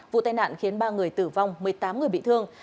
vụ tai nạn khiến ba người tử vong một mươi tám người bị thương